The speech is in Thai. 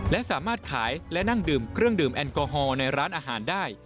และสามารถขายและนั่งดื่มเครื่องดื่มแอลกอฮอล์ในร้านอาหารได้